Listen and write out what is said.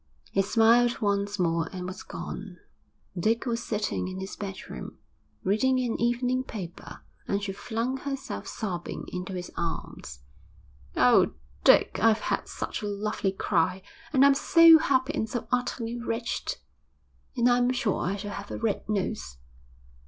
He smiled once more and was gone. Dick was sitting in his bedroom, reading an evening paper, and she flung herself sobbing into his arms. 'Oh, Dick, I've had such a lovely cry, and I'm so happy and so utterly wretched. And I'm sure I shall have a red nose.'